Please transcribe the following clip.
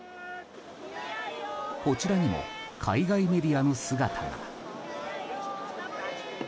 こちらにも海外メディアの姿が。